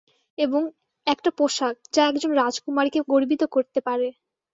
এবং, একটা পোশাক যা একজন রাজকুমারীকে গর্বিত করতে পারে।